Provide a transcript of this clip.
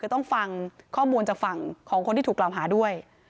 ต้องฟังข้อมูลจากฝั่งของคนที่ถูกกล่าวหาด้วย